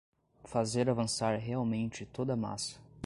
fazer avançar realmente toda a massa